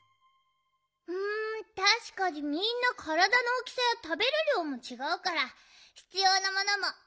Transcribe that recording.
うんたしかにみんなからだのおおきさやたべるりょうもちがうからひつようなものもいろいろだね。